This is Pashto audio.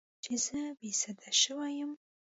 چې زه بې سده شوې وم.